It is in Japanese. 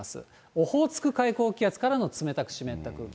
オホーツク海高気圧からの冷たく湿った空気。